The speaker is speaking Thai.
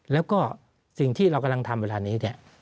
แล้วก็สิ่งที่เรากำลังทำเวลานี้เนี่ย